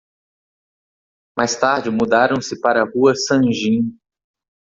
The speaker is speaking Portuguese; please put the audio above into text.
Mais tarde mudaram-se para a Rua Sanjin